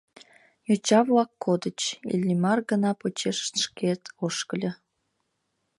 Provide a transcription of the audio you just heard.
Йоча-влак кодыч, Иллимар гына почешышт шкет ошкыльо.